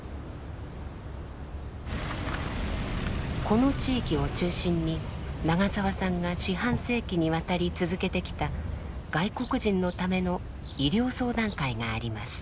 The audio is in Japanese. この地域を中心に長澤さんが四半世紀にわたり続けてきた外国人のための「医療相談会」があります。